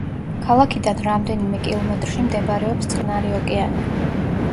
ქალაქიდან რამდენიმე კილომეტრში მდებარეობს წყნარი ოკეანე.